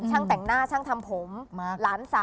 แต่งหน้าช่างทำผมหลานสาว